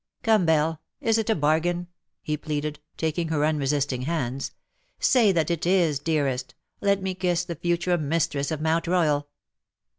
Come, Belle, is it a bargain,^^ he pleaded, taking her unresisting hands. " Say that it is, dearest. Let me kiss the future mistress of Mount Royal."